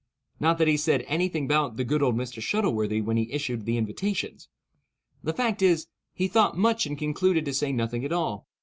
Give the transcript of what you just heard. Not that he said any thing about "the good old Mr. Shuttleworthy" when he issued the invitations. The fact is, he thought much and concluded to say nothing at all.